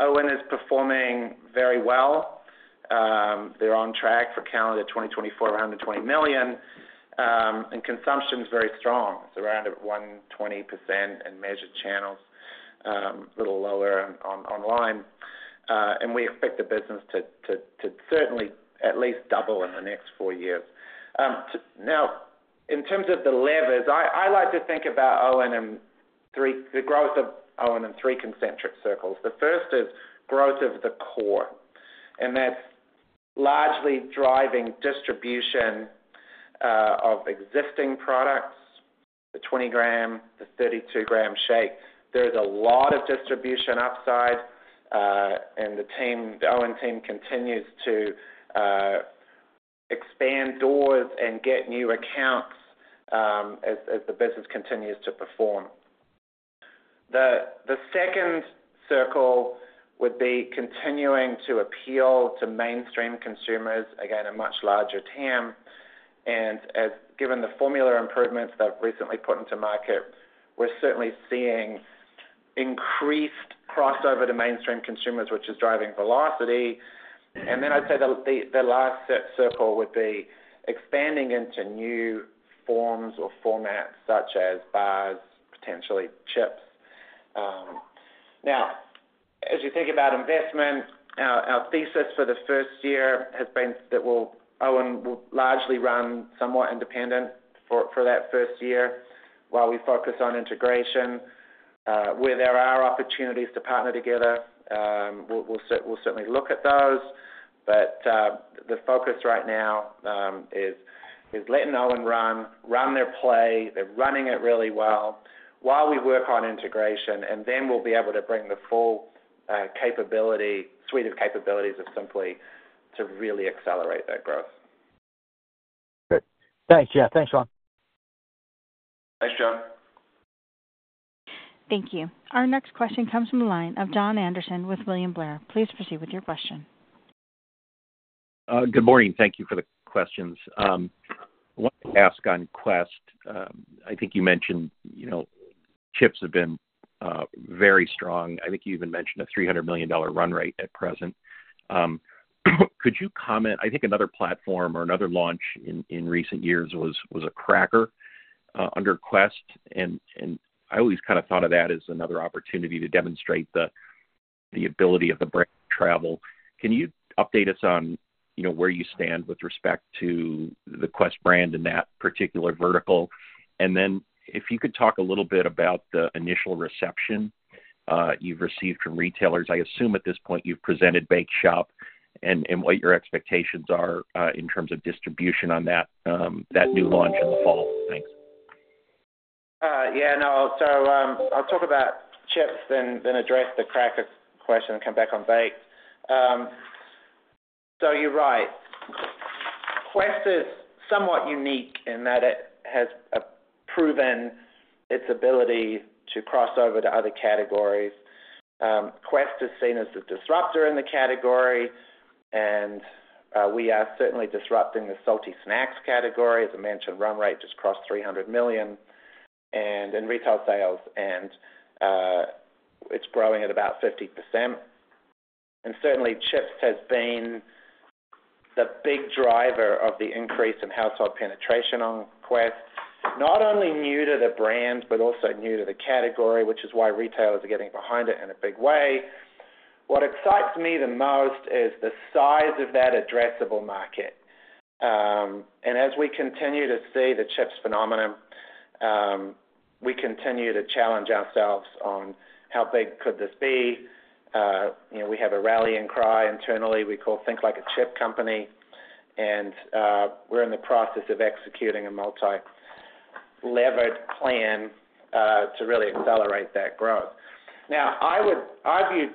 S3: OWYN is performing very well. They're on track for calendar 2024, around $120 million, and consumption is very strong. It's around 120% in measured channels, a little lower online. And we expect the business to certainly at least double in the next four years. Now, in terms of the levers, I like to think about the growth of OWYN in three concentric circles. The first is growth of the core, and that's largely driving distribution of existing products, the 20-gram, the 32-gram shake. There's a lot of distribution upside, and the team, the OWYN team, continues to expand doors and get new accounts, as the business continues to perform. The second circle would be continuing to appeal to mainstream consumers, again, a much larger TAM. Given the formula improvements that we've recently put into market, we're certainly seeing increased crossover to mainstream consumers, which is driving velocity. And then I'd say the last circle would be expanding into new forms or formats, such as bars, potentially chips. Now, as you think about investment, our thesis for the first year has been that OWYN will largely run somewhat independent for that first year while we focus on integration. Where there are opportunities to partner together, we'll certainly look at those. But the focus right now is letting OWYN run their play. They're running it really well while we work on integration, and then we'll be able to bring the full suite of capabilities of Simply to really accelerate that growth.
S7: Great. Thanks, Geoff. Thanks, Shaun.
S3: Thanks, John.
S1: Thank you. Our next question comes from the line of Jon Andersen with William Blair. Please proceed with your question.
S8: Good morning. Thank you for the questions. I wanted to ask on Quest. I think you mentioned, you know, chips have been very strong. I think you even mentioned a $300 million run rate at present. Could you comment. I think another platform or another launch in recent years was a cracker under Quest, and I always kind of thought of that as another opportunity to demonstrate the ability of the brand travel. Can you update us on, you know, where you stand with respect to the Quest brand in that particular vertical? And then if you could talk a little bit about the initial reception you've received from retailers. I assume at this point you've presented Bake Shop and what your expectations are, in terms of distribution on that new launch in the fall. Thanks.
S3: Yeah, no. So I'll talk about chips and then address the crackers question and come back on Baked. So you're right. Quest is somewhat unique in that it has proven its ability to cross over to other categories. Quest is seen as the disruptor in the category, and we are certainly disrupting the salty snacks category. As I mentioned, run rate just crossed $300 million in retail sales, and it's growing at about 50%. And certainly chips has been the big driver of the increase in household penetration on Quest. Not only new to the brand, but also new to the category, which is why retailers are getting behind it in a big way. What excites me the most is the size of that addressable market. And as we continue to see the chips phenomenon, we continue to challenge ourselves on how big could this be. You know, we have a rallying cry internally we call Think Like a Chip Company, and we're in the process of executing a multi-levered plan to really accelerate that growth. Now, I would argue,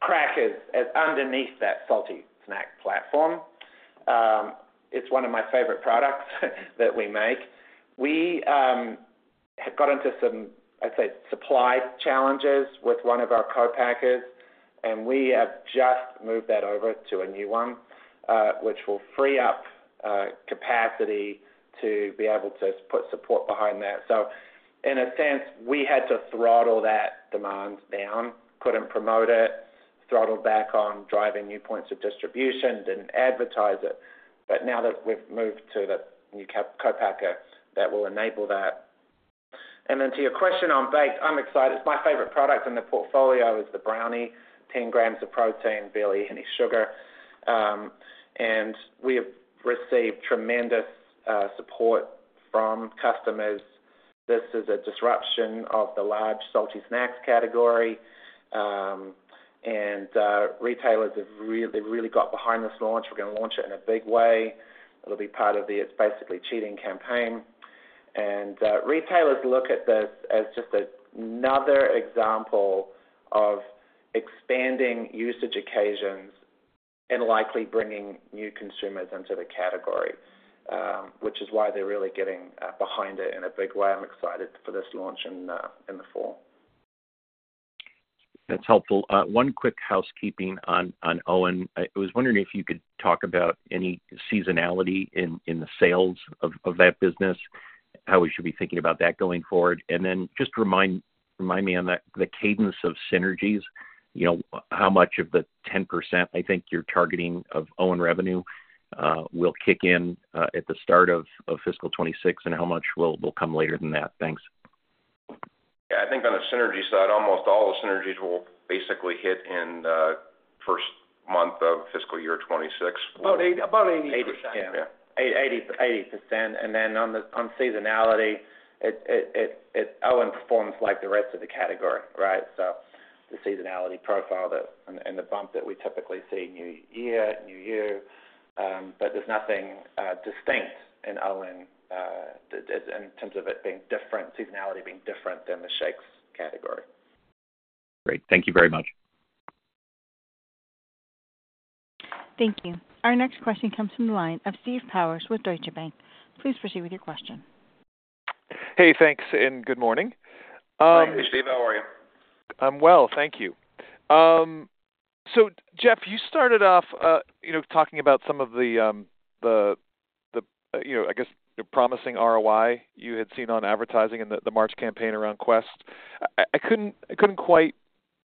S3: crackers as underneath that salty snack platform. It's one of my favorite products that we make. We have got into some, I'd say, supply challenges with one of our co-packers, and we have just moved that over to a new one, which will free up capacity to be able to put support behind that. So in a sense, we had to throttle that demand down, couldn't promote it, throttled back on driving new points of distribution, didn't advertise it. But now that we've moved to the new co-packer, that will enable that. And then to your question on Baked, I'm excited. My favorite product in the portfolio is the brownie, 10 grams of protein, barely any sugar. And we have received tremendous support from customers. This is a disruption of the large salty snacks category. And retailers have really, really got behind this launch. We're gonna launch it in a big way. It'll be part of the It's Basically Cheating campaign. And retailers look at this as just another example of expanding usage occasions and likely bringing new consumers into the category, which is why they're really getting behind it in a big way. I'm excited for this launch in the fall.
S8: That's helpful. One quick housekeeping on OWYN. I was wondering if you could talk about any seasonality in the sales of that business, how we should be thinking about that going forward. And then just remind me on the cadence of synergies, you know, how much of the 10% I think you're targeting of OWYN revenue will kick in at the start of fiscal 2026, and how much will come later than that? Thanks.
S4: Yeah, I think on the synergy side, almost all the synergies will basically hit in the first month of fiscal year 2026.
S3: About 80%.
S4: Yeah.
S3: 80%, 80%. And then on seasonality, it performs like the rest of the category, right? So the seasonality profile and the bump that we typically see, new year, but there's nothing distinct in OWYN that, in terms of it being different seasonality being different than the shakes category.
S8: Great. Thank you very much.
S1: Thank you. Our next question comes from the line of Steve Powers with Deutsche Bank. Please proceed with your question.
S9: Hey, thanks, and good morning,
S3: Hey, Steve, how are you?
S9: I'm well, thank you. So Geoff, you started off, you know, talking about some of the, the, the, you know, I guess, the promising ROI you had seen on advertising and the, the March campaign around Quest. I, I couldn't, I couldn't quite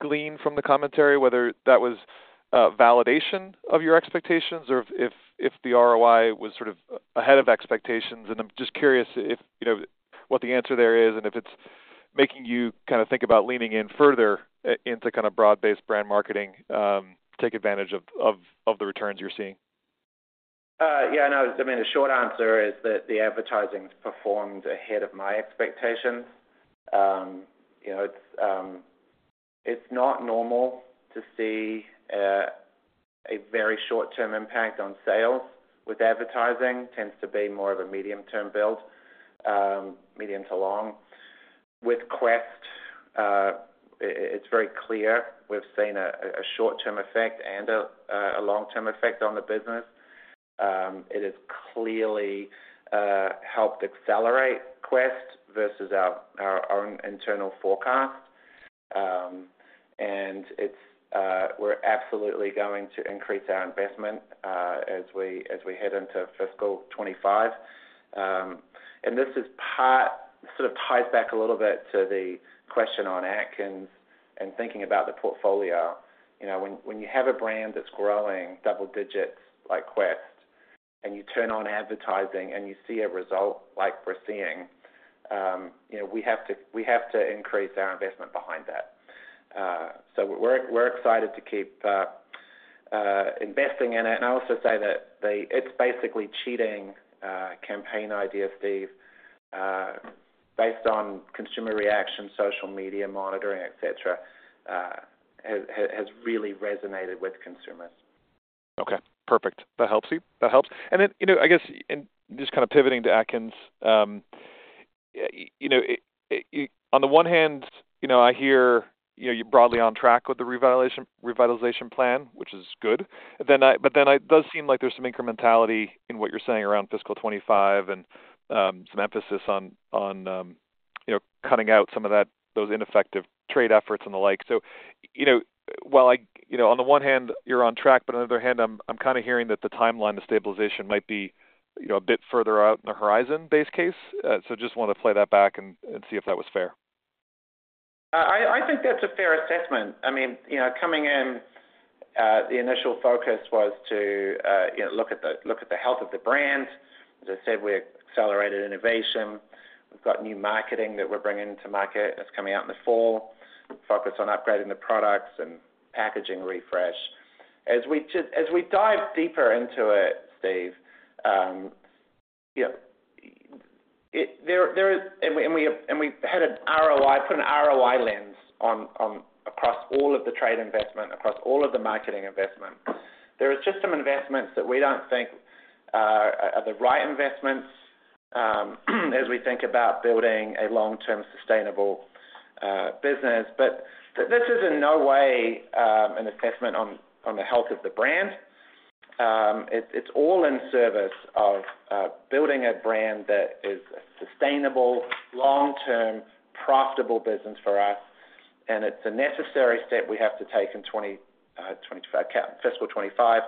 S9: glean from the commentary whether that was, validation of your expectations or if, if, if the ROI was sort of ahead of expectations. And I'm just curious if, you know, what the answer there is, and if it's making you kind of think about leaning in further into kind of broad-based brand marketing, to take advantage of, of, of the returns you're seeing.
S3: Yeah, no, I mean, the short answer is that the advertising's performed ahead of my expectations. You know, it's not normal to see a very short-term impact on sales with advertising. Tends to be more of a medium-term build, medium to long. With Quest, it's very clear. We've seen a short-term effect and a long-term effect on the business. It has clearly helped accelerate Quest versus our own internal forecast. And we're absolutely going to increase our investment as we head into fiscal 2025. And this is part, sort of ties back a little bit to the question on Atkins and thinking about the portfolio. You know, when you have a brand that's growing double digits like Quest, and you turn on advertising and you see a result like we're seeing, you know, we have to increase our investment behind that. So we're excited to keep investing in it. And I'll also say that the It's Basically Cheating campaign idea, Steve, based on consumer reaction, social media monitoring, et cetera, has really resonated with consumers.
S9: Okay, perfect. That helps me. That helps. And then, you know, I guess, and just kind of pivoting to Atkins, you know, on the one hand, you know, I hear, you know, you're broadly on track with the revitalization plan, which is good. But then it does seem like there's some incrementality in what you're saying around fiscal 2025 and some emphasis on, you know, cutting out some of that, those ineffective trade efforts and the like. So, you know, while I... You know, on the one hand, you're on track, but on the other hand, I'm kind of hearing that the timeline to stabilization might be, you know, a bit further out in the horizon base case. So just want to play that back and see if that was fair.
S3: I think that's a fair assessment. I mean, you know, coming in, the initial focus was to, you know, look at the health of the brand. As I said, we accelerated innovation. We've got new marketing that we're bringing to market, that's coming out in the fall, focused on upgrading the products and packaging refresh. As we dive deeper into it, Steve, you know, there is... And we had an ROI, put an ROI lens on, across all of the trade investment, across all of the marketing investment. There is just some investments that we don't think are the right investments, as we think about building a long-term, sustainable business. But this is in no way an assessment on the health of the brand. It's all in service of building a brand that is a sustainable, long-term, profitable business for us, and it's a necessary step we have to take in 2025, fiscal 2025,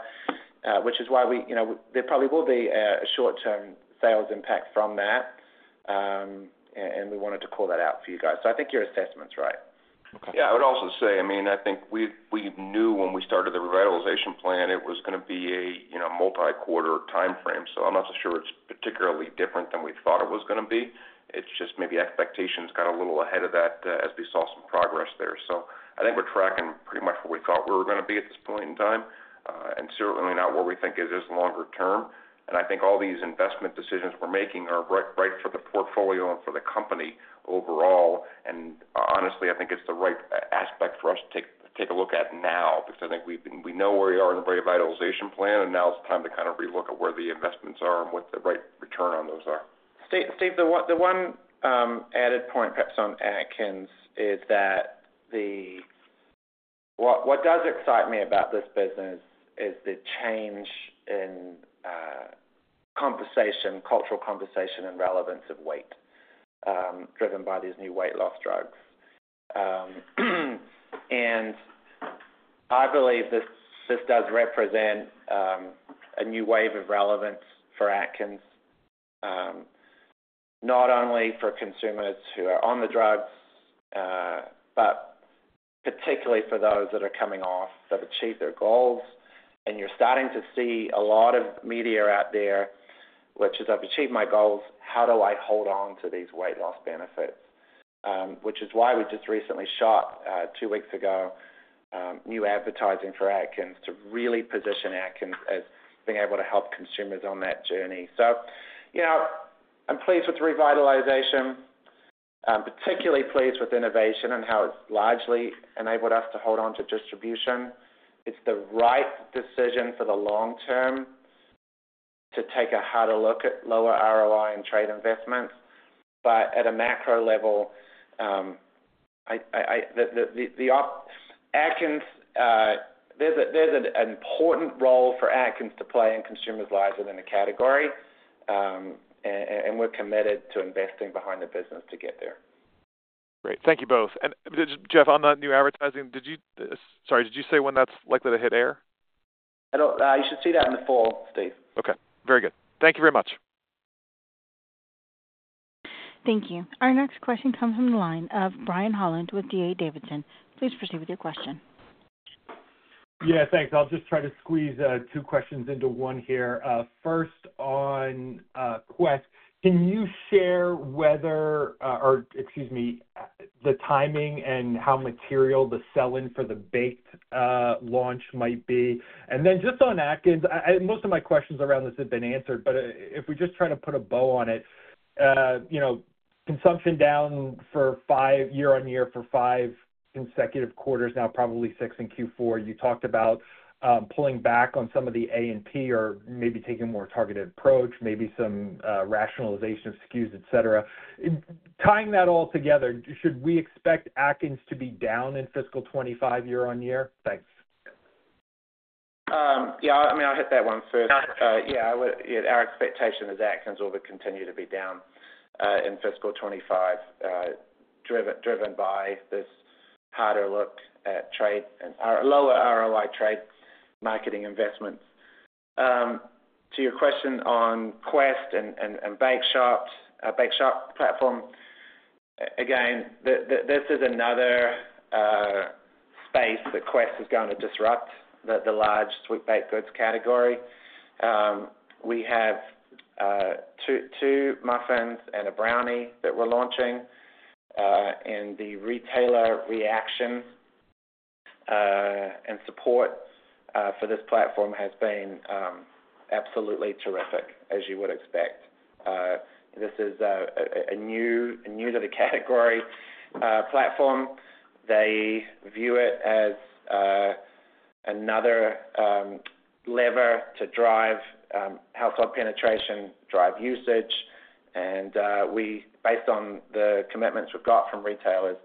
S3: which is why we, you know, there probably will be a short-term sales impact from that. And we wanted to call that out for you guys. So I think your assessment's right.
S9: Okay.
S4: Yeah, I would also say, I mean, I think we, we knew when we started the revitalization plan, it was gonna be a, you know, multi-quarter timeframe. So I'm not so sure it's particularly different than we thought it was gonna be. It's just maybe expectations got a little ahead of that, as we saw some progress there. So I think we're tracking pretty much where we thought we were gonna be at this point in time, and certainly not where we think it is longer term. And I think all these investment decisions we're making are right, right for the portfolio and for the company overall. Honestly, I think it's the right aspect for us to take a look at now, because I think we know where we are in the revitalization plan, and now it's time to kind of relook at where the investments are and what the right return on those are.
S3: Steve, the one added point, perhaps on Atkins, is that... What does excite me about this business is the change in conversation, cultural conversation and relevance of weight, driven by these new weight loss drugs. And I believe this does represent a new wave of relevance for Atkins, not only for consumers who are on the drugs, but particularly for those that are coming off, that have achieved their goals. And you're starting to see a lot of media out there, which is, "I've achieved my goals, how do I hold on to these weight loss benefits?" which is why we just recently shot two weeks ago new advertising for Atkins, to really position Atkins as being able to help consumers on that journey. So you know, I'm pleased with the revitalization. I'm particularly pleased with innovation and how it's largely enabled us to hold on to distribution. It's the right decision for the long term to take a harder look at lower ROI and trade investments. But at a macro level, Atkins, there's an important role for Atkins to play in consumers' lives within the category, and we're committed to investing behind the business to get there.
S9: Great. Thank you, both. Geoff, on that new advertising, sorry, did you say when that's likely to hit air?
S3: I don't, you should see that in the fall, Steve.
S9: Okay, very good. Thank you very much.
S1: Thank you. Our next question comes from the line of Brian Holland, with D.A. Davidson. Please proceed with your question.
S10: Yeah, thanks. I'll just try to squeeze two questions into one here. First, on Quest, can you share whether or excuse me the timing and how material the sell-in for the baked launch might be? And then just on Atkins, most of my questions around this have been answered, but if we just try to put a bow on it, you know, consumption down year-on-year for five consecutive quarters, now probably six in Q4. You talked about pulling back on some of the A&P or maybe taking a more targeted approach, maybe some rationalization of SKUs, et cetera. In tying that all together, should we expect Atkins to be down in fiscal 2025 year-on-year? Thanks.
S3: Yeah, I mean, I'll hit that one first. Yeah, I would. Our expectation is Atkins will continue to be down in fiscal 2025, driven by this harder look at trade and our lower ROI trade marketing investments. To your question on Quest and Bake Shop, Bake Shop platform, again, this is another space that Quest is going to disrupt, the large sweet baked goods category. We have two muffins and a brownie that we're launching, and the retailer reaction and support for this platform has been absolutely terrific, as you would expect. This is a new to the category platform. They view it as another lever to drive household penetration, drive usage, and based on the commitments we've got from retailers,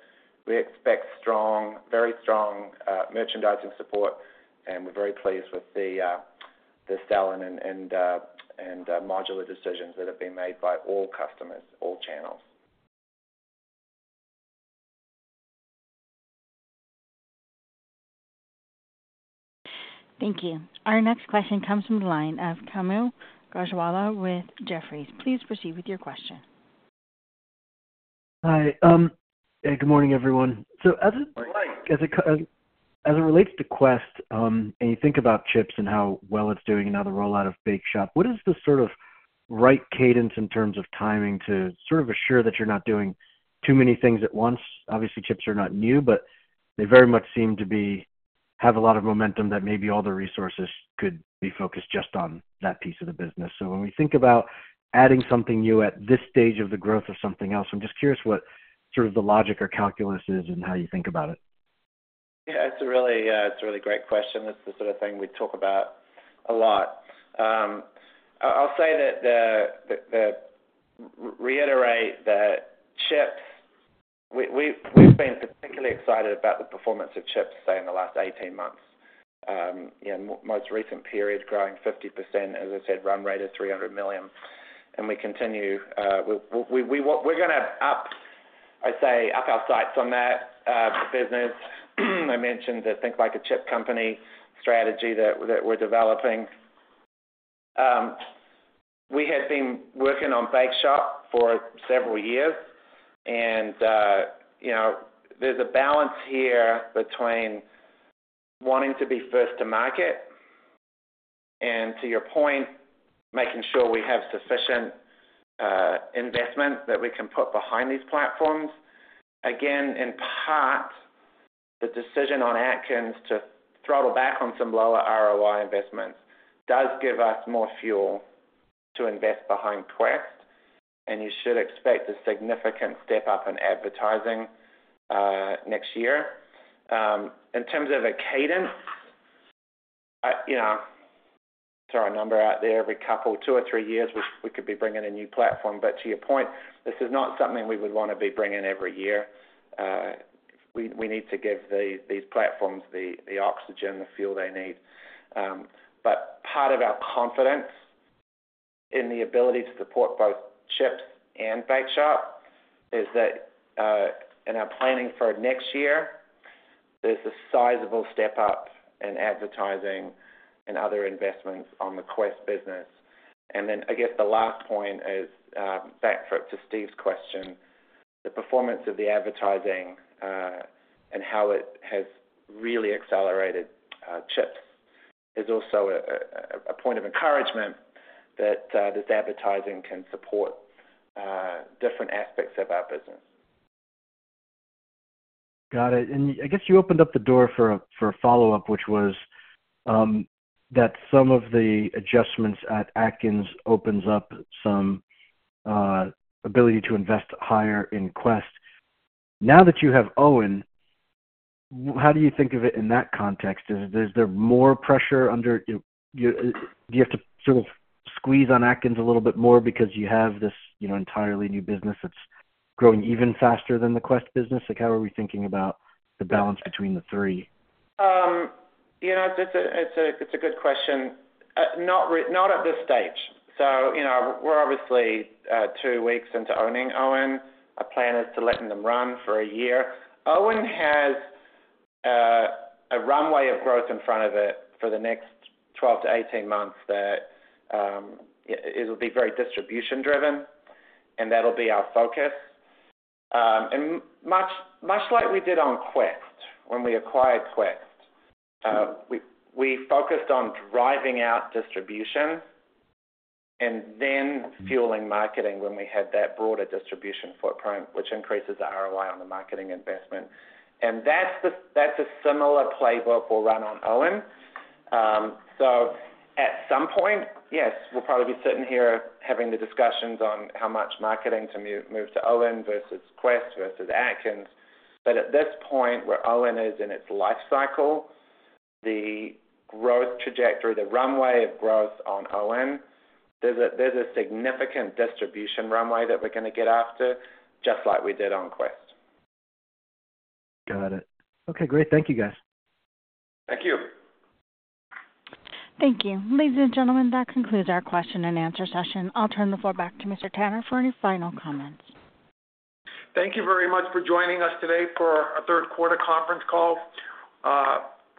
S3: we expect strong, very strong merchandising support, and we're very pleased with the sell-in and modular decisions that have been made by all customers, all channels.
S1: Thank you. Our next question comes from the line of Kaumil Gajrawala with Jefferies. Please proceed with your question.
S11: Hi. Good morning, everyone. So as it-
S3: Good morning.
S11: As it relates to Quest, and you think about chips and how well it's doing and now the rollout of Bake Shop, what is the sort of right cadence in terms of timing to sort of assure that you're not doing too many things at once? Obviously, chips are not new, but they very much seem to be, have a lot of momentum that maybe all the resources could be focused just on that piece of the business. So when we think about adding something new at this stage of the growth of something else, I'm just curious what sort of the logic or calculus is and how you think about it.
S3: Yeah, it's a really, it's a really great question. That's the sort of thing we talk about a lot. I'll say that reiterate that chips, we've been particularly excited about the performance of chips, say, in the last 18 months. In most recent periods, growing 50%, as I said, run rate is $300 million, and we continue, we're gonna up, I'd say, up our sights on that business. I mentioned the Think Like a Chip company strategy that we're developing. We had been working on Bake Shop for several years, and, you know, there's a balance here between wanting to be first to market and, to your point, making sure we have sufficient investment that we can put behind these platforms. Again, in part, the decision on Atkins to throttle back on some lower ROI investments does give us more fuel to invest behind Quest, and you should expect a significant step up in advertising next year. In terms of a cadence, I, you know, throw a number out there, every couple, two or three years, we could be bringing a new platform. But to your point, this is not something we would want to be bringing every year. We need to give these platforms the oxygen, the fuel they need. But part of our confidence in the ability to support both Chips and Bake Shop is that in our planning for next year, there's a sizable step up in advertising and other investments on the Quest business. And then, I guess, the last point is back to Steve's question, the performance of the advertising and how it has really accelerated Chips is also a point of encouragement that this advertising can support different aspects of our business.
S11: Got it. And I guess you opened up the door for a, for a follow-up, which was, that some of the adjustments at Atkins opens up some, ability to invest higher in Quest. Now that you have OWYN, how do you think of it in that context? Is there, is there more pressure under... Do you, do you have to sort of squeeze on Atkins a little bit more because you have this, you know, entirely new business that's growing even faster than the Quest business? Like, how are we thinking about the balance between the three?
S3: You know, it's a good question. Not at this stage. So, you know, we're obviously 2 weeks into owning OWYN. Our plan is to letting them run for a year. OWYN has a runway of growth in front of it for the next 12 to 18 months that it'll be very distribution driven, and that'll be our focus. And much, much like we did on Quest, when we acquired Quest, we focused on driving out distribution and then fueling marketing when we had that broader distribution footprint, which increases the ROI on the marketing investment. And that's a similar playbook we'll run on OWYN. So at some point, yes, we'll probably be sitting here having the discussions on how much marketing to move to OWYN versus Quest versus Atkins. But at this point, where OWYN is in its life cycle, the growth trajectory, the runway of growth on OWYN, there's a significant distribution runway that we're going to get after, just like we did on Quest.
S11: Got it. Okay, great. Thank you, guys.
S3: Thank you.
S1: Thank you. Ladies and gentlemen, that concludes our question and answer session. I'll turn the floor back to Mr. Tanner for any final comments.
S3: Thank you very much for joining us today for our third quarter conference call.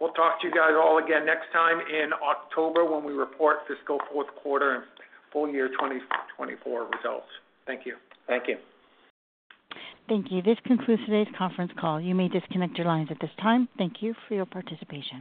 S3: We'll talk to you guys all again next time in October, when we report fiscal fourth quarter and full year 2024 results. Thank you.
S4: Thank you.
S1: Thank you. This concludes today's conference call. You may disconnect your lines at this time. Thank you for your participation.